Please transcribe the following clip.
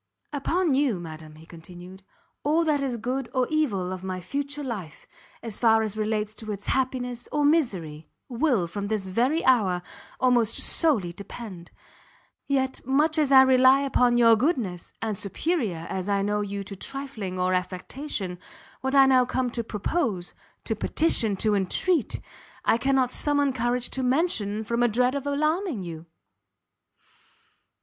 "Upon you, madam," he continued, "all that is good or evil of my future life, as far as relates to its happiness or misery, will, from this very hour, almost solely depend; yet much as I rely upon your goodness, and superior as I know you to trifling or affectation, what I now come to propose to petition to entreat I cannot summon courage to mention, from a dread of alarming you!"